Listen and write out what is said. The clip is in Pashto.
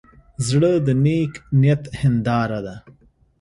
زړه د نیک نیت هنداره ده.